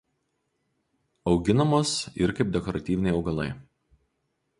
Auginamos ir kaip dekoratyviniai augalai.